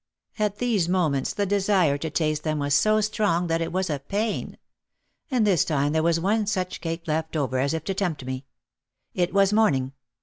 At these moments the desire to taste them was so strong that it was a pain. And this time there was one such cake left over as if to tempt me. It was morn ing.